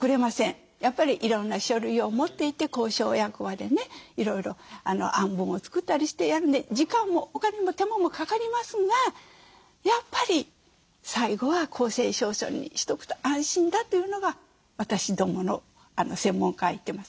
やっぱりいろんな書類を持っていって公証役場でねいろいろ案文を作ったりしてやるんで時間もお金も手間もかかりますがやっぱり最後は公正証書にしとくと安心だというのが私どもの専門家は言ってます。